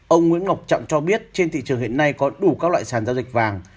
ông nguyễn ngọc trọng cho biết trên thị trường hiện nay có đủ các loại sản giao dịch vàng